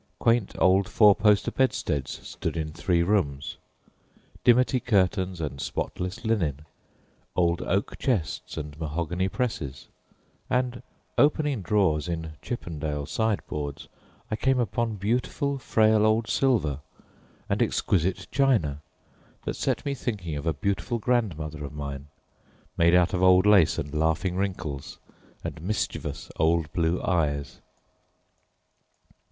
Quaint old four poster bedsteads stood in three rooms dimity curtains and spotless linen old oak chests and mahogany presses; and, opening drawers in Chippendale sideboards, I came upon beautiful frail old silver and exquisite china that set me thinking of a beautiful grandmother of mine, made out of old lace and laughing wrinkles and mischievous old blue eyes.